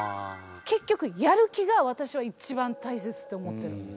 結局やる気が私は一番大切って思ってる。